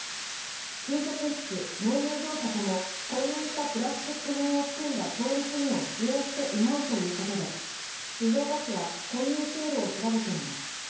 給食室、納入業者とも購入したプラスチック片を含んだ調理器具を使用していないということで静岡市は混入経路を調べています。